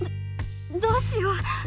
どどうしよう！